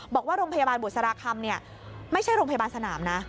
บอกว่าโรงพยาบาลบุษราคำไม่ใช่โรงพยาบาลสนามนะ